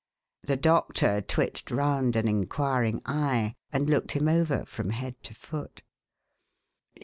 The doctor twitched round an inquiring eye, and looked him over from head to foot.